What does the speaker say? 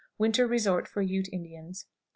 Winter resort for Uté Indians. 14 1/2.